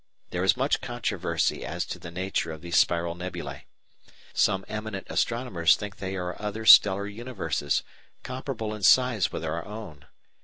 There is much controversy as to the nature of these spiral nebulæ. Some eminent astronomers think they are other stellar universes, comparable in size with our own.